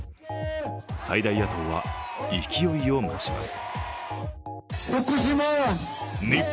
最大野党は勢いを増します。